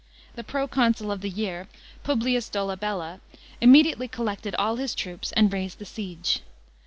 The proconsul of the year, Publius Dolabella, immediately collected all his troops, and raised the siege.